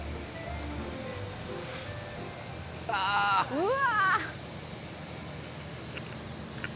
うわ！